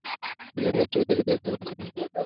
তিনি এর রাষ্ট্রপতি হিসেবে দায়িত্ব পালন করেন।